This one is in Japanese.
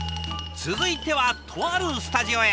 続いてはとあるスタジオへ。